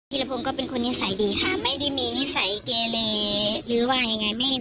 ละพงศ์ก็เป็นคนนิสัยดีค่ะไม่ได้มีนิสัยเกเลหรือว่ายังไง